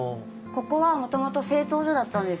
ここはもともと製陶所だったんですよ。